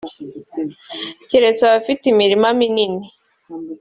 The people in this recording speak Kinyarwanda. keretse abafite imirima minini